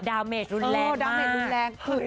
ดาเมจรุนแรงมาก